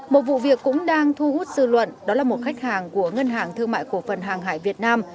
một vụ việc cũng đang thu hút dư luận đó là một khách hàng của ngân hàng thương mại cổ phần hàng hải việt nam